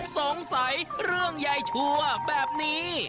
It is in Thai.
สงสัยเรื่องยายชัวร์แบบนี้